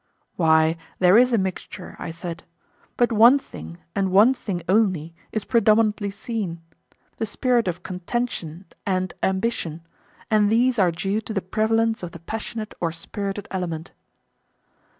Why, there is a mixture, I said; but one thing, and one thing only, is predominantly seen,—the spirit of contention and ambition; and these are due to the prevalence of the passionate or spirited element.